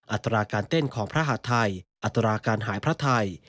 อัตราการเต้นของพระหาดไทยอัตราการหายพระไทย